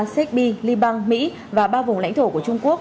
serbi liban mỹ và ba vùng lãnh thổ của trung quốc